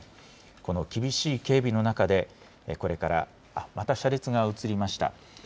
この厳しい警備の中で、これから、また車列が映りました。